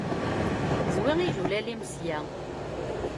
Zwi ijulal-im sya!